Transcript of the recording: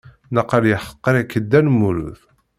Naqal yeḥqer-ik Dda Lmulud.